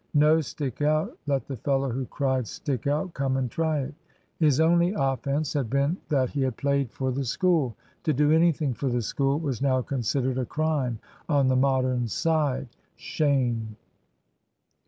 (No! Stick out!) Let the fellow who cried "Stick out," come and try it. His only offence had been that he had played for the School. To do anything for the School was now considered a crime on the Modern side. (Shame.)